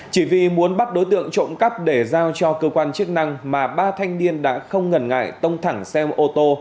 chỉ vì muốn bắt đối tượng trộm cắp để giao cho cơ quan chức năng mà ba thanh niên đã không ngần ngại tông thẳng xe ôm ô tô